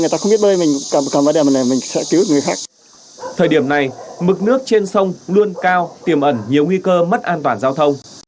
thời điểm này mực nước trên sông luôn cao tiềm ẩn nhiều nguy cơ mất an toàn giao thông